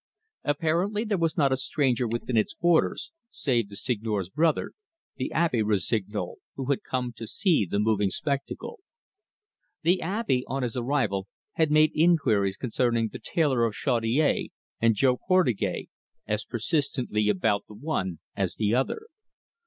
Apparently there was not a stranger within its borders, save the Seigneur's brother, the Abbe Rossignol, who had come to see the moving spectacle. The Abbe, on his arrival, had made inquiries concerning the tailor of Chaudiere and Jo Portugais, as persistently about the one as the other.